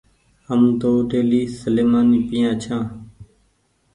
هم تو ڍيلي سليمآني پيآ ڇآن